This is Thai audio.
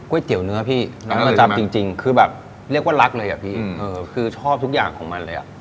เตี๋ยวเนื้อพี่น้องประจำจริงคือแบบเรียกว่ารักเลยอะพี่คือชอบทุกอย่างของมันเลยอ่ะ